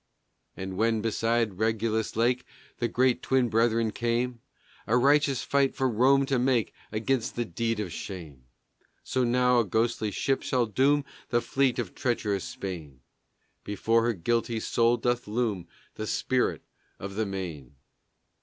As when beside Regillus Lake The Great Twin Brethren came A righteous fight for Rome to make Against the Deed of Shame So now a ghostly ship shall doom The fleet of treacherous Spain: Before her guilty soul doth loom The Spirit of the Maine!